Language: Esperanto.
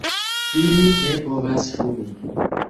Ili ne povas fumi.